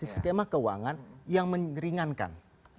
skema keuangan yang meringankan